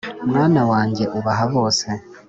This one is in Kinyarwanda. mwana wanjye ubaha bose